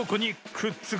くっつく！